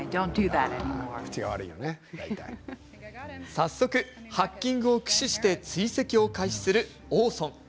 早速、ハッキングを駆使して追跡を開始するオーソン。